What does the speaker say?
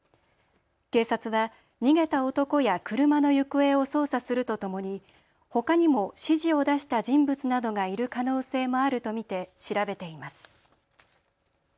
警察は逃げた男や車の行方を捜査するとともにほかにも指示を出した人物などがいる可能性もあると見て調べています。